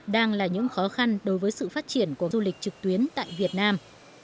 đang là những khó khăn đối với sự phát triển của du lịch trực tuyến tại việt nam